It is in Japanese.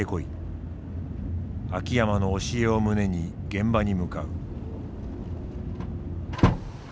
秋山の教えを胸に現場に向かう。